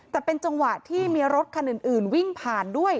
แต่เป็นจังหวะที่มีรถคันอื่นวิ่งผ่านด้วย